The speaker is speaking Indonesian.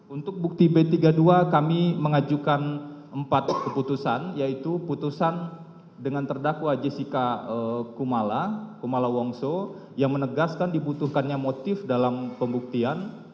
untuk bukti b tiga puluh dua kami mengajukan empat keputusan yaitu putusan dengan terdakwa jessica kumala kumala wongso yang menegaskan dibutuhkannya motif dalam pembuktian